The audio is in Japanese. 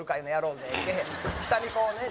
下にこうね